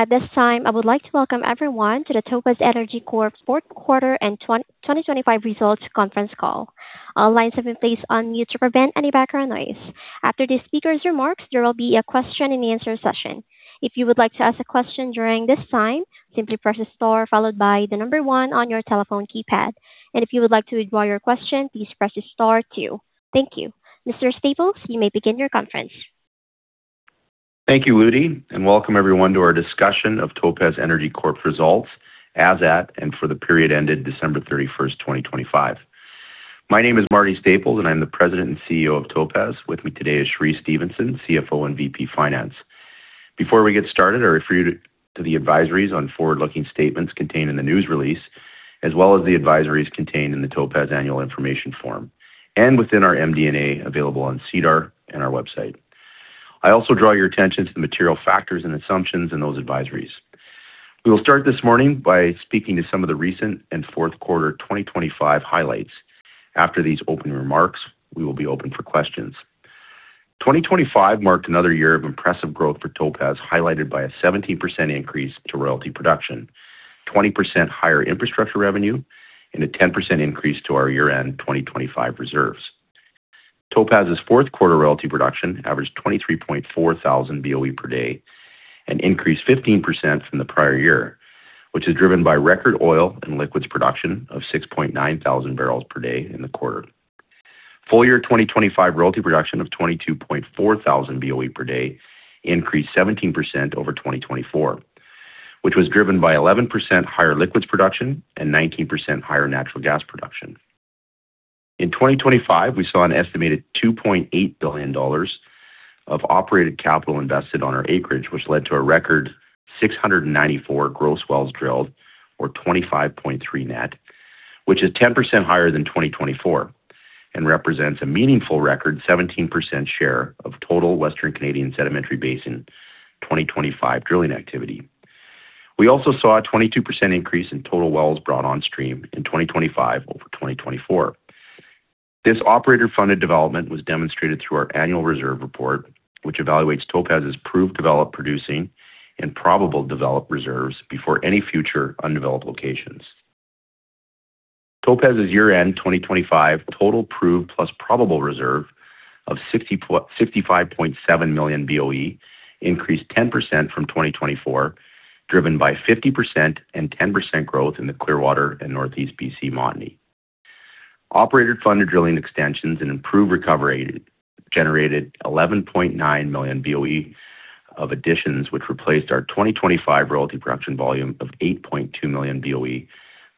At this time, I would like to welcome everyone to the Topaz Energy Corp fourth quarter and 20, 2025 results conference call. All lines have been placed on mute to prevent any background noise. After the speaker's remarks, there will be a question and answer session. If you would like to ask a question during this time, simply press star followed by the one on your telephone keypad. If you would like to withdraw your question, please press star two. Thank you. Mr. Staples, you may begin your conference. Thank you, Woody, and welcome everyone to our discussion of Topaz Energy Corp results as at and for the period ended December 31st, 2025. My name is Marty Staples, and I'm the President and CEO of Topaz. With me today is Cheree Stephenson, CFO and VP Finance. Before we get started, I refer you to the advisories on forward-looking statements contained in the news release, as well as the advisories contained in the Topaz Annual Information Form and within our MD&A, available on SEDAR and our website. I also draw your attention to the material factors and assumptions in those advisories. We will start this morning by speaking to some of the recent and fourth quarter 2025 highlights. After these opening remarks, we will be open for questions. 2025 marked another year of impressive growth for Topaz, highlighted by a 17% increase to royalty production, 20% higher infrastructure revenue, and a 10% increase to our year-end 2025 reserves. Topaz's fourth quarter royalty production averaged 23,400 BOE per day and increased 15% from the prior year, which is driven by record oil and liquids production of 6,900 barrels per day in the quarter. Full year 2025 royalty production of 22400 BOE per day increased 17% over 2024, which was driven by 11% higher liquids production and 19% higher natural gas production In 2025, we saw an estimated 2.8 billion dollars of operated capital invested on our acreage, which led to a record 694 gross wells drilled, or 25.3 net, which is 10% higher than 2024 and represents a meaningful record, 17% share of total Western Canadian Sedimentary Basin 2025 drilling activity. We also saw a 22% increase in total wells brought on stream in 2025 over 2024. This operator-funded development was demonstrated through our annual reserve report, which evaluates Topaz's proved, developed, producing, and probable developed reserves before any future undeveloped locations. Topaz's year-end 2025 total proved plus probable reserve of 55.7 million BOE increased 10% from 2024, driven by 50% and 10% growth in the Clearwater and Northeast BC Montney. Operated funded drilling extensions and improved recovery generated 11.9 million BOE of additions, which replaced our 2025 royalty production volume of 8.2 million Boe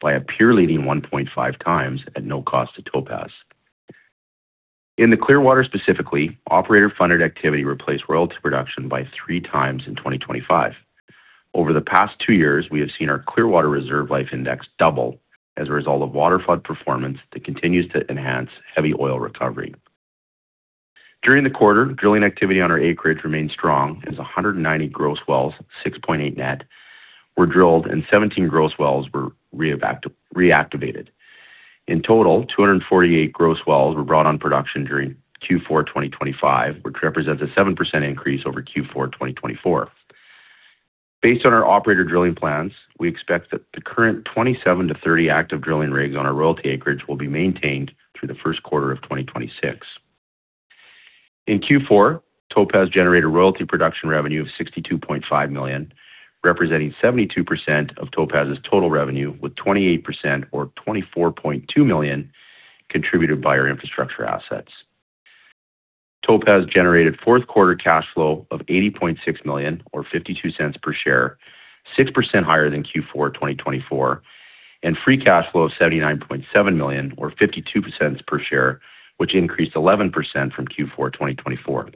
by a peer-leading 1.5 times at no cost to Topaz. In the Clearwater, specifically, operator-funded activity replaced royalty production by 3x in 2025. Over the past twi years, we have seen our Clearwater Reserve Life Index double as a result of waterflood performance that continues to enhance heavy oil recovery. During the quarter, drilling activity on our acreage remained strong as 190 gross wells, 6.8 net, were drilled and 17 gross wells were reactivated. In total, 248 gross wells were brought on production during Q4 2025, which represents a 7% increase over Q4 2024. Based on our operator drilling plans, we expect that the current 27-30 active drilling rigs on our royalty acreage will be maintained through the first quarter of 2026. In Q4, Topaz generated royalty production revenue of 62.5 million, representing 72% of Topaz's total revenue, with 28% or 24.2 million contributed by our infrastructure assets. Topaz generated fourth quarter cash flow of 80.6 million, or 0.52 per share, 6% higher than Q4 2024, and free cash flow of 79.7 million or 0.52 per share, which increased 11% from Q4 2024.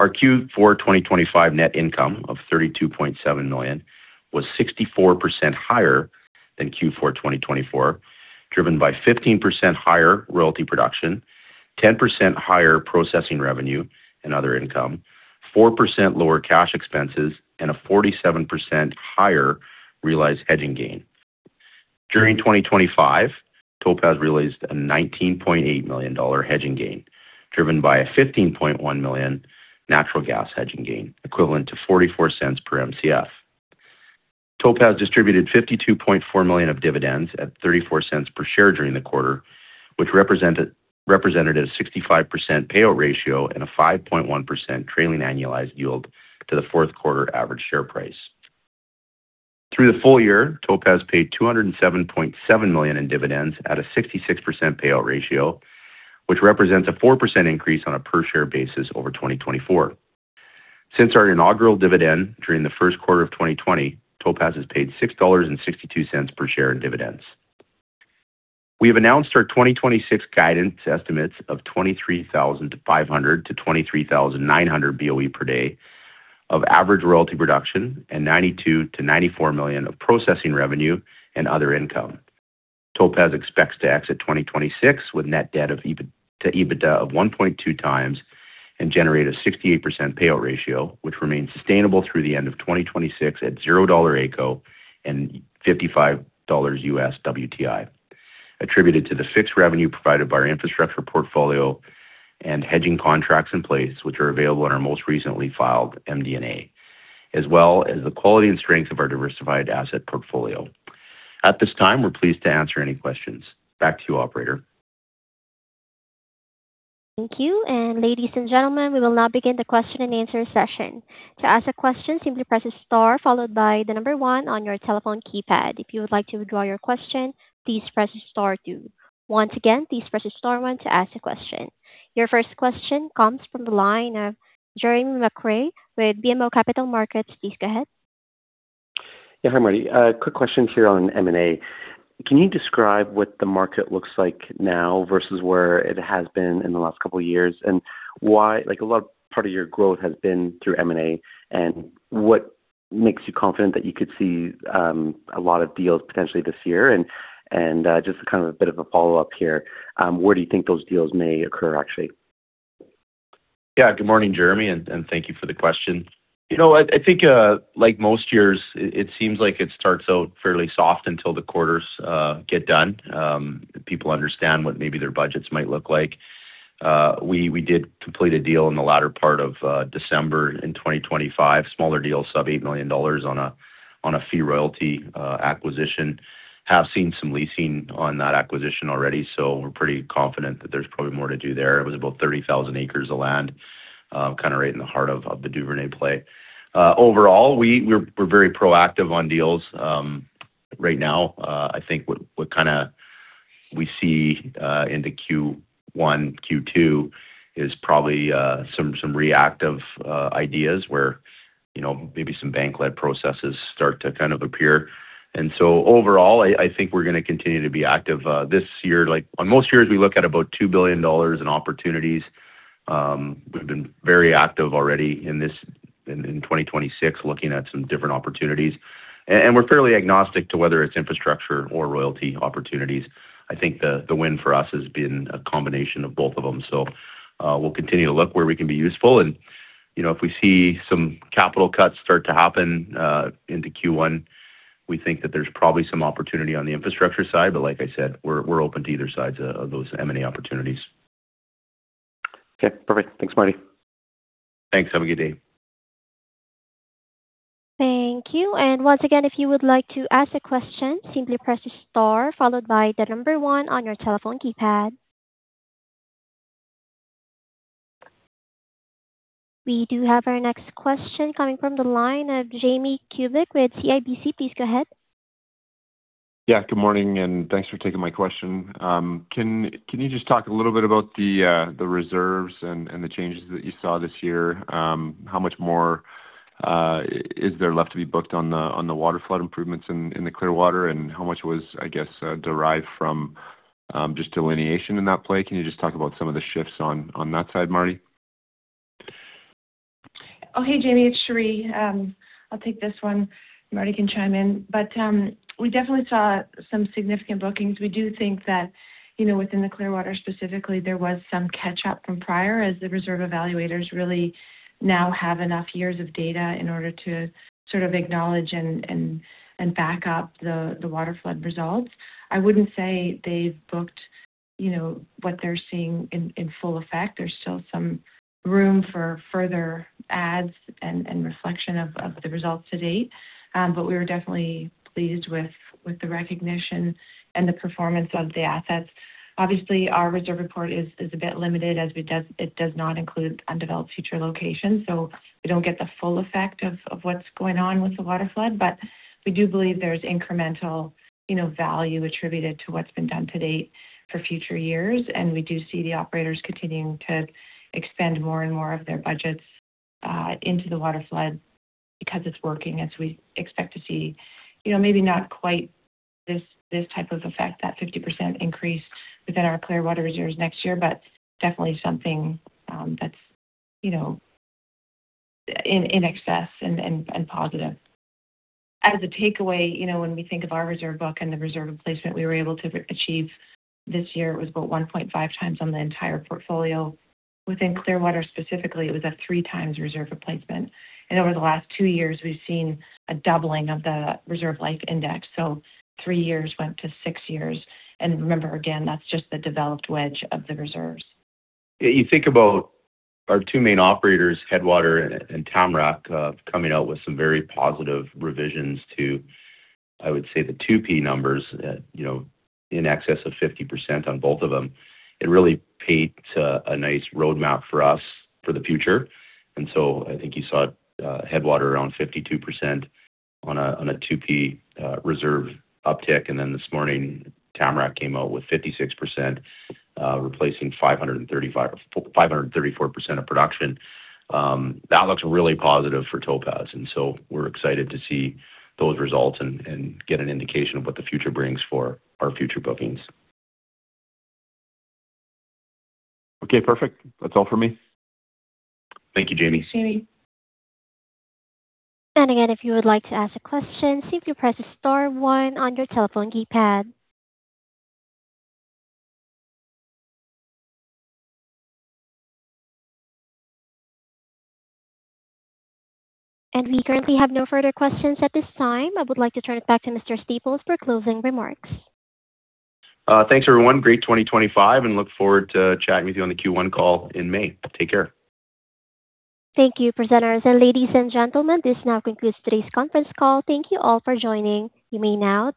Our Q4 2025 net income of 32.7 million was 64% higher than Q4 2024, driven by 15% higher royalty production, 10% higher processing revenue and other income, 4% lower cash expenses, and a 47% higher realized hedging gain. During 2025, Topaz realized a 19.8 million dollar hedging gain, driven by a 15.1 million natural gas hedging gain, equivalent to 0.44 per Mcf. Topaz distributed 52.4 million of dividends at 0.34 per share during the quarter, which represented a 65% payout ratio and a 5.1% trailing annualized yield to the fourth quarter average share price. Through the full year, Topaz paid 207.7 million in dividends at a 66% payout ratio, which represents a 4% increase on a per share basis over 2024. Since our inaugural dividend during the first quarter of 2020, Topaz has paid 6.62 dollars per share in dividends. We have announced our 2026 guidance estimates of 23,500-23,900 Boe per day of average royalty production and 92 million-94 million of processing revenue and other income. Topaz expects to exit 2026 with net debt of EBITDA to EBITDA of 1.2x and generate a 68% payout ratio, which remains sustainable through the end of 2026 at zero dollar AECO and 55 dollars US WTI. attributed to the fixed revenue provided by our infrastructure portfolio and hedging contracts in place, which are available in our most recently filed MD&A, as well as the quality and strength of our diversified asset portfolio. At this time, we're pleased to answer any questions. Back to you, operator. Thank you. Ladies and gentlemen, we will now begin the question and answer session. To ask a question, simply press star followed by one on your telephone keypad. If you would like to withdraw your question, please press star two. Once again, please press star one to ask a question. Your first question comes from the line of Jeremy McCrea with BMO Capital Markets. Please go ahead. Yeah. Hi, Marty. quick question here on M&A. Can you describe what the market looks like now versus where it has been in the last couple of years? Why, like, a lot of part of your growth has been through M&A? What makes you confident that you could see a lot of deals potentially this year? Just kind of a bit of a follow-up here, where do you think those deals may occur, actually? Yeah. Good morning, Jeremy, and thank you for the question. You know, I think like most years, it seems like it starts out fairly soft until the quarters get done. People understand what maybe their budgets might look like. We did complete a deal in the latter part of December in 2025. Smaller deal, sub $8 million on a fee royalty acquisition. Have seen some leasing on that acquisition already, so we're pretty confident that there's probably more to do there. It was about 30,000 acres of land, kind of right in the heart of the Duvernay play. Overall, we're very proactive on deals. Right now, I think what we see into Q1, Q2 is probably some reactive ideas where maybe some bank-led processes start to appear. Overall, I think we're gonna continue to be active this year. Like on most years, we look at about 2 billion dollars in opportunities. We've been very active already in 2026, looking at some different opportunities, we're fairly agnostic to whether it's infrastructure or royalty opportunities. I think the win for us has been a combination of both of them. We'll continue to look where we can be useful and, you know, if we see some capital cuts start to happen into Q1, we think that there's probably some opportunity on the infrastructure side, but like I said, we're open to either sides of those M&A opportunities. Okay, perfect. Thanks, Marty. Thanks. Have a good day. Thank you, and once again, if you would like to ask a question, simply press star, followed by the number one on your telephone keypad. We do have our next question coming from the line of Jamie Kubik with CIBC. Please go ahead. Good morning, thanks for taking my question. Can you just talk a little bit about the reserves and the changes that you saw this year? How much more is there left to be booked on the waterflood improvements in the Clearwater, and how much was, I guess, derived from just delineation in that play? Can you just talk about some of the shifts on that side, Marty? Oh, hey, Jamie, it's Cheree. I'll take this one. Marty can chime in, but we definitely saw some significant bookings. We do think that, you know, within the Clearwater specifically, there was some catch-up from prior, as the reserve evaluators really now have enough years of data in order to sort of acknowledge and back up the waterflood results. I wouldn't say they've booked, you know, what they're seeing in full effect. There's still some room for further adds and reflection of the results to date. We were definitely pleased with the recognition and the performance of the assets. Obviously, our reserve report is a bit limited, as it does not include undeveloped future locations, so we don't get the full effect of what's going on with the waterflood. We do believe there's incremental, you know, value attributed to what's been done to date for future years. We do see the operators continuing to expend more and more of their budgets into the waterflood because it's working as we expect to see. You know, maybe not quite this type of effect, that 50% increase within our Clearwater reserves next year, but definitely something that's, you know, in excess and positive. As a takeaway, you know, when we think of our reserve book and the reserve replacement we were able to achieve this year, it was about 1.5x on the entire portfolio. Within Clearwater specifically, it was a 3x reserve replacement. Over the last two years, we've seen a doubling of the Reserve Life Index, so three years went to six years. Remember, again, that's just the developed wedge of the reserves. You think about our two main operators, Headwater and Tamarack, coming out with some very positive revisions to, I would say, the 2P numbers, in excess of 50% on both of them. It really paved a nice roadmap for us for the future. I think you saw Headwater around 52% on a 2P reserve uptick, and then this morning, Tamarack came out with 56%, replacing 534% of production. That looks really positive for Topaz, and so we're excited to see those results and get an indication of what the future brings for our future bookings. Okay, perfect. That's all for me. Thank you, Jamie. Jamie. Again, if you would like to ask a question, simply press star one on your telephone keypad. We currently have no further questions at this time. I would like to turn it back to Mr. Staples for closing remarks. Thanks, everyone. Great 2025, and look forward to chatting with you on the Q1 call in May. Take care. Thank you, presenters. Ladies and gentlemen, this now concludes today's conference call. Thank you all for joining. You may now disconnect.